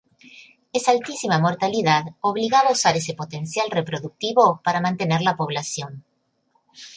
Esa altísima mortalidad obligaba a usar ese potencial reproductivo para mantener la población.